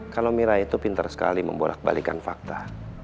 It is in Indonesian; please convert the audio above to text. kalau mira itu pintar sekali membolak balikan fakta